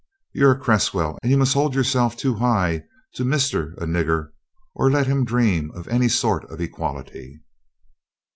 You're a Cresswell, and you must hold yourself too high to 'Mister' a nigger or let him dream of any sort of equality."